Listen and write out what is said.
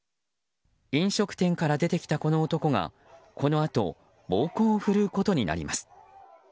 飲食店から出てきたこの男がこのあと暴行を振るうことになります。